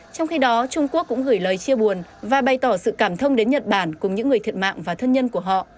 trong khi đó trung quốc cũng gửi lời chia buồn và bày tỏ sự cảm thông đến nhật bản cùng những người thiệt mạng và thân nhân của họ